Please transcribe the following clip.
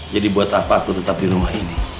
jadi buat apa aku tetap di rumah